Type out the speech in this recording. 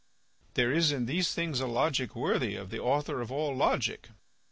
There is in these things a logic worthy of the author of all logic.